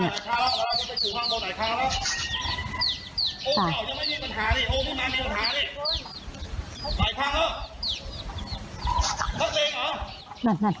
นั่นเขาเอาปืนแล้วนั่น